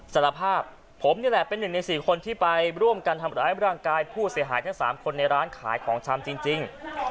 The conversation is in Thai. สารภาพผมนี่แหละเป็นหนึ่งในสี่คนที่ไปร่วมกันทำร้ายร่างกายผู้เสียหายทั้ง๓คนในร้านขายของชำจริง